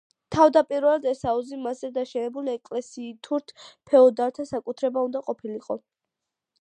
თავდაპირველად ეს აუზი მასზე დაშენებული ეკლესიითურთ ფეოდალთა საკუთრება უნდა ყოფილიყო.